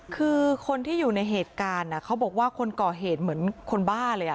คือคนที่อยู่ในเหตุการณ์เขาบอกว่าคนก่อเหตุเหมือนคนบ้าเลย